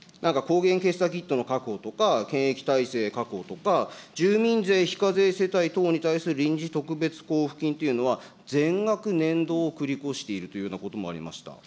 なんか抗原検査キットの確保とか検疫体制の確保とか、住民税非課税世帯等に対する臨時特別交付金というのは、全額年度を繰り越しているということもありました。